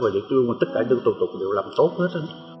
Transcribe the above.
tức là tất cả những thủ tục đều làm tốt hết